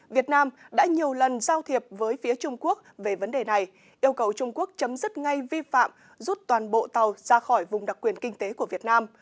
việt nam đã nhiều lần giao thiệp với phía trung quốc về vấn đề này yêu cầu trung quốc chấm dứt ngay vi phạm rút toàn bộ tàu ra khỏi vùng đặc quyền kinh tế của việt nam